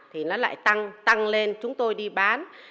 thì nó lại tăng lên chúng tôi đi bán